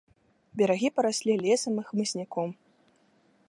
Берагі параслі лесам і хмызняком.